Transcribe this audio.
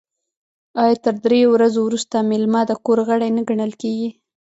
آیا تر دریو ورځو وروسته میلمه د کور غړی نه ګڼل کیږي؟